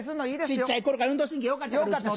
小っちゃい頃から運動神経良かったから。